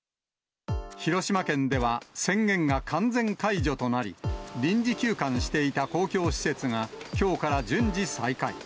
広島県では宣言が完全解除となり、臨時休館していた公共施設がきょうから順次再開。